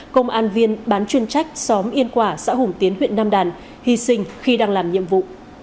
công an viên bán chuyên trách xóm yên quả xã hùng tiến huyện nam đàn hy sinh khi đang làm nhiệm vụ